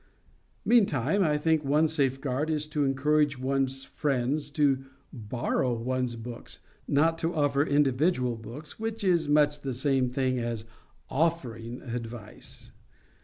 Meantime, I think one safeguard is to encourage one's friends to borrow one's books—not to offer individual books, which is much the same as OFFERING advice.